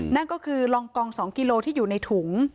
นั่นก็คือรองกอง๒กิโลที่อยู่ในถุง